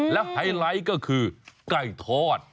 และไฮไลท์ก็คือไก่ทอด